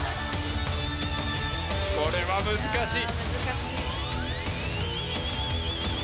これは難しい。